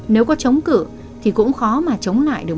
nếu có chống cử thì cũng khó mà chống lại được